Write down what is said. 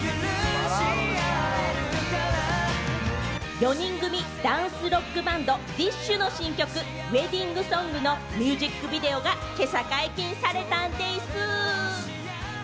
４人組ダンスロックバンド、ＤＩＳＨ／／の新曲『ウェディングソング』のミュージックビデオが今朝解禁されたんでぃす。